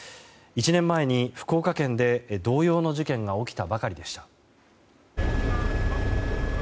１年前に福岡県で同様の事件が起きたばかりでした。